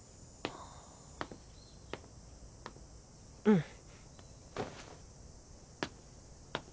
うん。